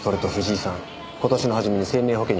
今年の初めに生命保険に加入してるんです。